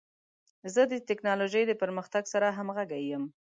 زه د ټکنالوژۍ د پرمختګ سره همغږی یم.